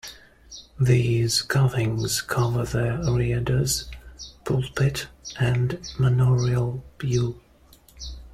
These carvings cover the reredos, pulpit and manorial pew.